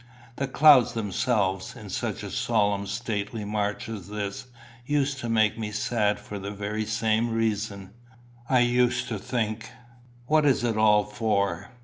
"The clouds themselves, in such a solemn stately march as this, used to make me sad for the very same reason. I used to think, What is it all for?